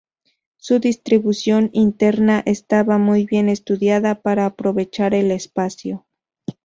Su distribución interna estaba muy bien estudiada para aprovechar el espacio.